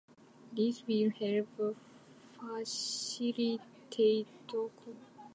This will help facilitate communication and enhance their overall experience.